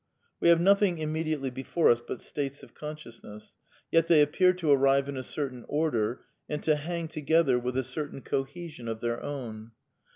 We have nothing immediately before us but states of consciousness, yet they appear to arrive in a certain order and to hang together with a cer tain cohesion of their own.